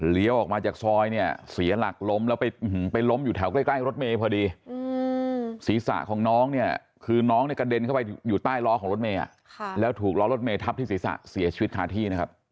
เลี้ยวออกมาจากซอยเนี่ยเสียหลักล้มแล้วไปล้มอยู่แถวกล้ายรถเมย์พอดี